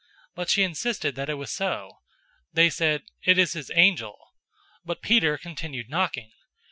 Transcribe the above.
But she insisted that it was so. They said, "It is his angel." 012:016 But Peter continued knocking.